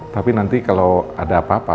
tapi nanti kalau ada apa apa